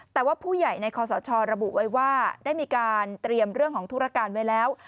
แต่ว่าผู้ใหญ่ในคอสชระบุไว้ว่าได้มีการเตรียมเรื่องของธุรการไว้แล้ว